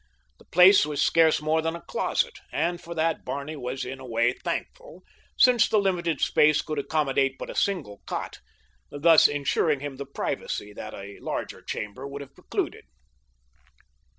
The place was scarce more than a closet, and for that Barney was in a way thankful since the limited space could accommodate but a single cot, thus insuring him the privacy that a larger chamber would have precluded.